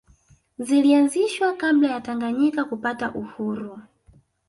Zilianzishwa kabla ya Tanganyika kupata uhuru